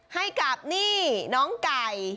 ให้กับนี่เนาคไก่